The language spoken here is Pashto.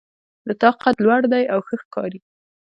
د تا قد لوړ ده او ښه ښکاري